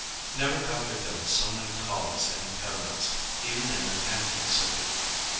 Never have there been seen so many columns and pediments, even in an antique city.